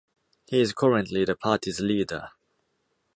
He is currently the party's leader.